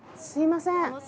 すいません。